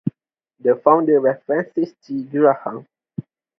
The founder was Francis G. Graham.